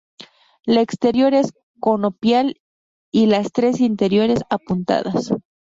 La exterior es conopial y las tres interiores apuntadas.